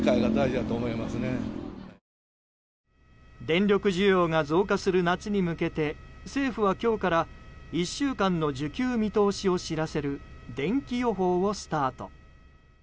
電力需要が増加する夏に向けて政府は今日から１週間の需給見通しを知らせるでんき予報をスタート。